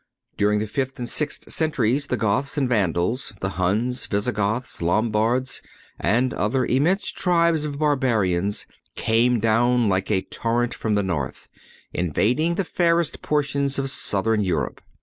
During the fifth and sixth centuries the Goths and Vandals, the Huns, Visigoths, Lombards and other immense tribes of Barbarians came down like a torrent from the North, invading the fairest portions of Southern Europe.